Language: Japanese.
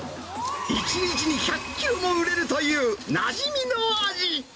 １日に１００キロも売れるという、なじみの味。